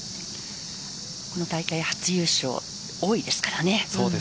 この大会初優勝、多いですからね。